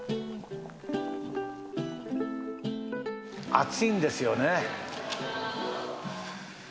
熱いんですよね。